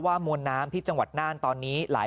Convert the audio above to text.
แล้วก็น่ามีต้นไม้ไถ่ที่อยู่หลังบ้านแล้วก็ต้นชมพูบ